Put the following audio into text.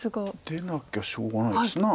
出なきゃしょうがないです。